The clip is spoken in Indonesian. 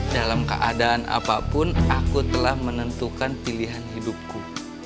dalam keadaan apapun aku telah menentukan pilihan hidupku